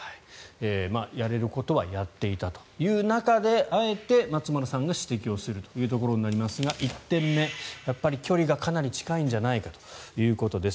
やれることはやっていたという中であえて松丸さんが指摘するというところになりますが１点目、やっぱり距離がかなり近いんじゃないかということです。